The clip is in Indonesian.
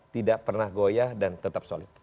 tidak pernah goyah dan tetap solid